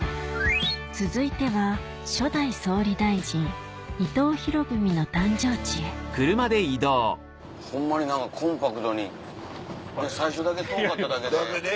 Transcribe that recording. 続いては初代総理大臣伊藤博文の誕生地へホンマにコンパクトに最初だけ遠かっただけで。